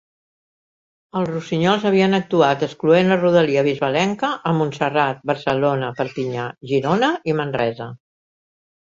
Els Rossinyols havien actuat, excloent la rodalia bisbalenca, a Montserrat, Barcelona, Perpinyà, Girona i Manresa.